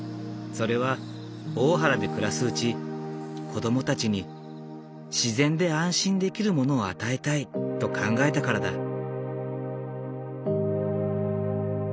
それは大原で暮らすうち子供たちに自然で安心できるものを与えたいと考えたからだ。